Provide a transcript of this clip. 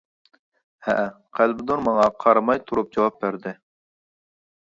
-ھەئە-قەلبىنۇر ماڭا قارىماي تۇرۇپ جاۋاب بەردى.